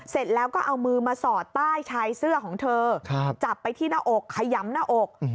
เสร็จแล้วก็เอามือมาสอดใต้ชายเสื้อของเธอจับไปที่หน้าอกขยำหน้าอก